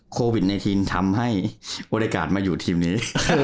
โควิด๑๙ทำให้บริการมาอยู่ทีมนี้